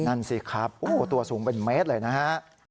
นั่นสิครับโอ้โหตัวสูงเป็นเมตรเลยนะฮะ